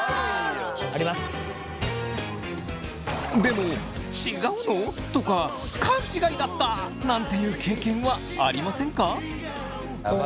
でも「違うの？」とか「勘違いだった！」なんていう経験はありませんか？